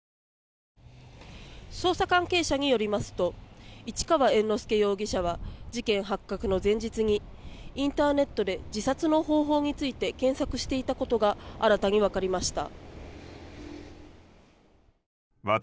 捜査関係者によりますと市川猿之助容疑者は事件発覚の前日にインターネットで自殺の方法について検索していたことが新たに分かりました。